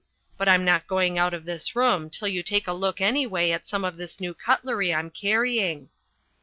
But I'm not going out of this room till you take a look anyway at some of this new cutlery I'm carrying."